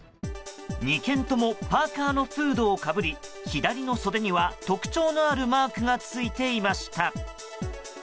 ２件ともパーカのフードをかぶり左の袖には、特徴のあるマークがついていました。